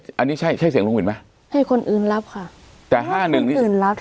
อันนี้ใช่ใช่เสียงลุงอื่นไหมให้คนอื่นรับค่ะแต่ห้าหนึ่งนี่อื่นรับ